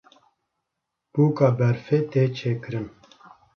Bûka berfê tê çêkirin.